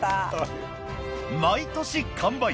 毎年完売